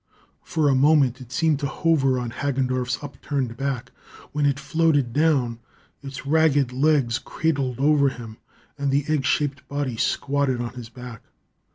For a moment it seemed to hover on Hagendorff's upturned back. When it floated down, its ragged legs cradled over him, and the egg shaped body squatted on his back....